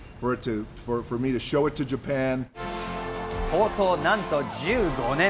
構想、なんと１５年！